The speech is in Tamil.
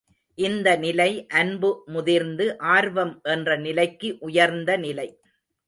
இந்த நிலை அன்புமுதிர்ந்து ஆர்வம் என்ற நிலைக்கு உயர்ந்த நிலை.